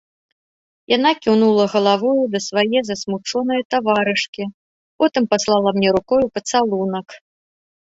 Яна кіўнула галавою да свае засмучонае таварышкі, потым паслала мне рукою пацалунак.